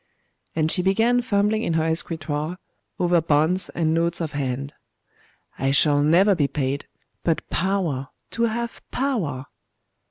'.... And she began fumbling in her escritoire, over bonds and notes of hand. 'I shall never be paid: but power! to have power!